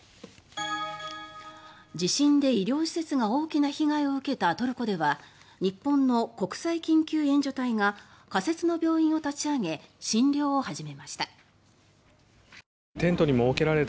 地震で医療施設が大きな被害を受けたトルコでは日本の国際緊急援助隊が仮設の病院を立ち上げ診療を始めました。